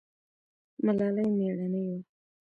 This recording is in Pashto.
ملالۍ میړنۍ وه